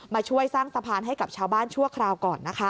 มาช่วยสร้างสะพานให้กับชาวบ้านชั่วคราวก่อนนะคะ